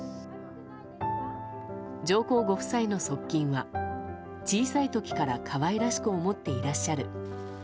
上皇ご夫妻の側近は小さい時から可愛らしく思っていらっしゃる。